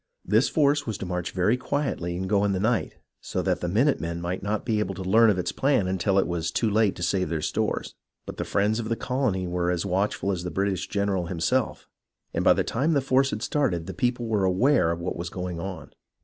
This force was to march very quietly and go in the night, so that the minute men might not be able to learn of his plan until it was too late to save their stores ; but the friends of the colony were as watchful as the British general himself, and by the time the force had started, the people were aware of what was going on.